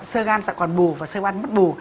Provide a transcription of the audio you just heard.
sơ gan sẽ còn bù và sơ gan mất bù